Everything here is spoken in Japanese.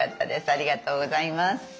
ありがとうございます。